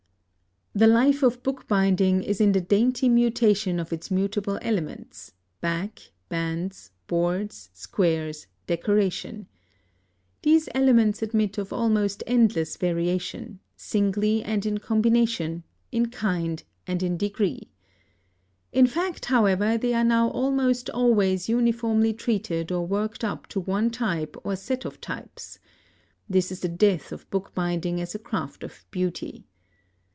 The life of bookbinding is in the dainty mutation of its mutable elements back, bands, boards, squares, decoration. These elements admit of almost endless variation, singly and in combination, in kind and in degree. In fact, however, they are now almost always uniformly treated or worked up to one type or set of types. This is the death of bookbinding as a craft of beauty.